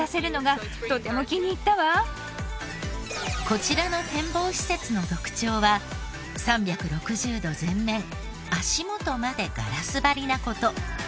こちらの展望施設の特徴は３６０度全面足元までガラス張りな事。